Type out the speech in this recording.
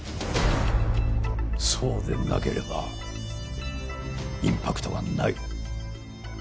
そうでなければインパクトがない。